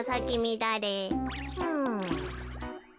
うん。